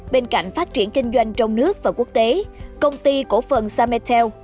bên cạnh phát triển kinh doanh trong nước và quốc tế công ty cổ phần sametel